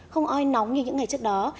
không oi nóng như những ngày trước đó